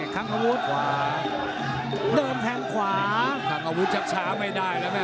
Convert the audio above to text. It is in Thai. คั่งอาวุธดอมแทงขวาคางอาวุธช้าไม่ได้แล้วนะ